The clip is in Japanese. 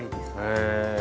へえ。